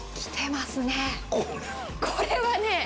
これはね。